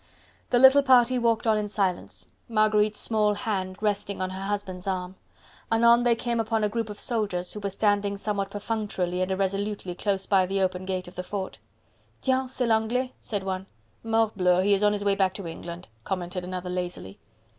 The little party walked on in silence, Marguerite's small hand resting on her husband's arm. Anon they came upon a group of soldiers who were standing somewhat perfunctorily and irresolutely close by the open gate of the Fort. "Tiens c'est l'Anglais!" said one. "Morbleu! he is on his way back to England," commented another lazily.